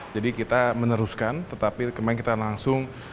jadi kita meneruskan tetapi kemarin kita langsung